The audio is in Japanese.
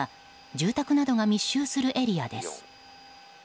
住宅などが密集するエリアです。